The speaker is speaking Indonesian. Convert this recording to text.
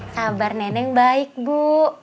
sabar neneng baik bu